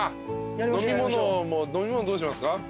飲み物どうしますか？